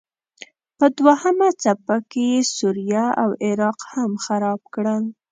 په دوهمه څپه کې یې سوریه او عراق هم خراب کړل.